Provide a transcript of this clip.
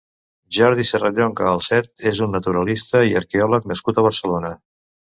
Jordi Serrallonga Alset és un naturalista i arqueòleg nascut a Barcelona.